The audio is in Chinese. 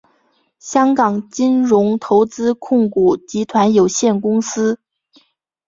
香港金融投资控股集团有限公司。